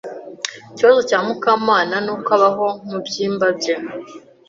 Ikibazo cya Mukamana nuko abaho mubyimba bye.